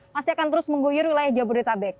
masih akan terus mengguyur wilayah jabodetabek